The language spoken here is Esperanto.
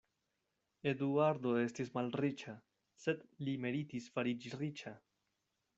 Eduardo estis malriĉa; sed li meritis fariĝi riĉa.